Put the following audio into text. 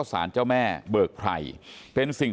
ฝ่ายกรเหตุ๗๖ฝ่ายมรณภาพกันแล้ว